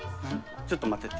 ちょっと待ってて。